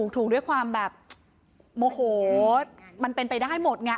ถูกด้วยความแบบโมโหมันเป็นไปได้หมดไง